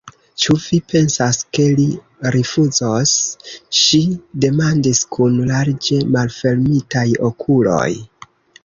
Ĉu vi pensas, ke li rifuzos? ŝi demandis kun larĝe malfermitaj okuloj.